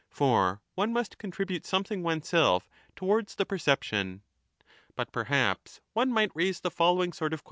For one must contribute something oneself to 30 wards the perception. But perhaps one might raise the following sort of question ^ 1 198* 10 21, cf.